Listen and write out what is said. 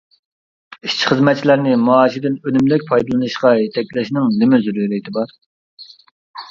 ئىشچى-خىزمەتچىلەرنى مائاشىدىن ئۈنۈملۈك پايدىلىنىشقا يېتەكلەشنىڭ نېمە زۆرۈرىيىتى بار.